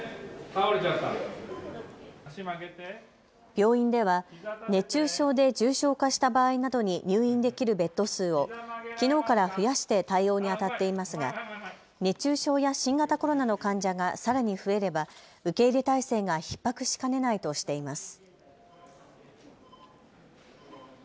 病院では熱中症で重症化した場合などに入院できるベッド数をきのうから増やして対応にあたっていますが熱中症や新型コロナの患者がさらに増えれば受け入れ態勢がひっ迫しかねないとしています。